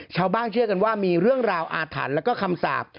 เชื่อกันว่ามีเรื่องราวอาถรรพ์แล้วก็คำสาป